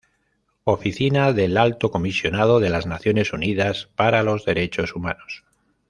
Oficina del Alto Comisionado de las Naciones Unidas para los Derechos Humanos